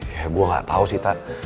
ya gue gak tau sih ta